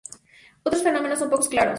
Otros fenómenos son poco claros.